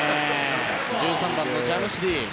１３番のジャムシディ。